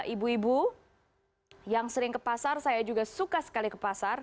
ibu ibu yang sering ke pasar saya juga suka sekali ke pasar